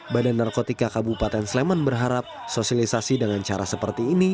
badan narkotika kabupaten sleman berharap sosialisasi dengan cara seperti ini